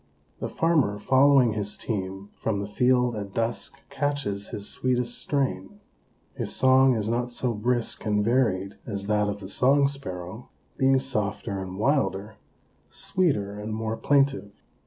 The farmer following his team from the field at dusk catches his sweetest strain. His song is not so brisk and varied as that of the Song Sparrow, being softer and wilder, sweeter and more plaintive.